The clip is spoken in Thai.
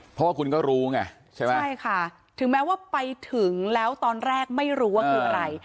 เพราะว่าคุณก็รู้ไงใช่ไหมใช่ค่ะถึงแม้ว่าไปถึงแล้วตอนแรกไม่รู้ว่าคืออะไร